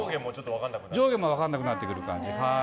上下も分からなくなってくる感じ。